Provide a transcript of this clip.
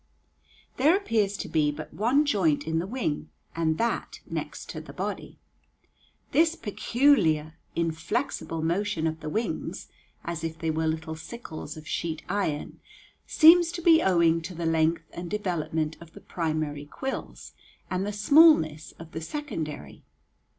There appears to be but one joint in the wing, and that next the body. This peculiar inflexible motion of the wings, as if they were little sickles of sheet iron, seems to be owing to the length and development of the primary quills and the smallness of the secondary.